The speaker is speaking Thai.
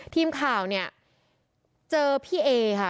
ทีมข่าวเนี่ยเจอพี่เอค่ะ